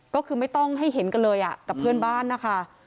ก็คือไม่ต้องให้เห็นกันเลยกับเพื่อนบ้านนะคะ